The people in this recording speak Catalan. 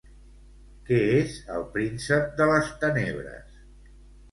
Què és "El príncep de les tenebres"?